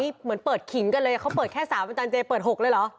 เหมือนเปิดขิงกันเลยเขาเปิดแค่๓อาจารยเจเปิด๖เลยเหรอ